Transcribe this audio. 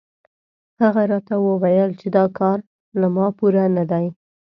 هغه راته وویل چې دا کار له ما پوره نه دی.